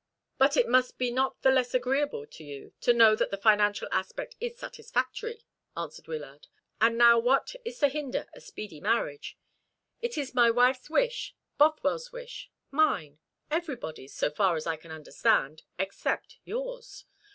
"But it must be not the less agreeable to you to know that the financial aspect is satisfactory," answered Wyllard. "And now what is to hinder a speedy marriage? It is my wife's wish, Bothwell's wish, mine, everybody's, so far as I can understand, except yours.